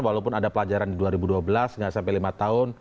walaupun ada pelajaran di dua ribu dua belas nggak sampai lima tahun